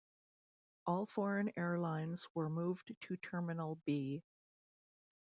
All foreign airlines were moved to Terminal B.